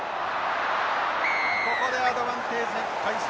ここでアドバンテージ解消。